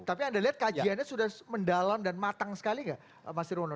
tapi anda lihat kajiannya sudah mendalam dan matang sekali nggak mas nirwono